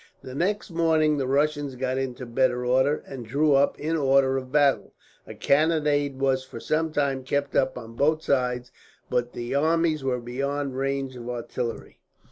The next morning the Russians got into better order, and drew up in order of battle. A cannonade was for some time kept up on both sides, but the armies were beyond range of artillery.